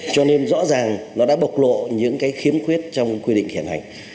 cho nên rõ ràng nó đã bộc lộ những cái khiếm khuyết trong quy định hiện hành